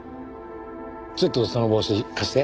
ちょっとその帽子貸して。